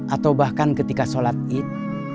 atau bahkan ketika sholat id